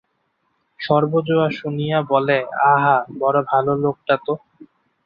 সর্বজয়া শুনিয়া বলে, আহা বড় ভালো লোকটা তো!